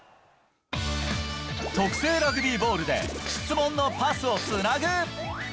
特製ラグビーボールで質問のパスをつなぐ。